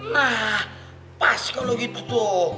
nah pas kalau gitu tuh